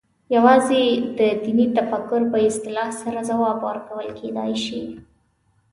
یوازې د دیني تفکر په اصلاح سره ځواب ورکول کېدای شي.